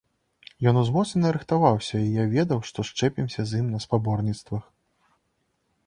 Ён узмоцнена рыхтаваўся, і я ведаў, што счэпімся з ім на спаборніцтвах.